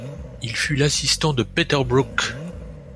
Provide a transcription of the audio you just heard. Il fut l'assistant de Peter Brook.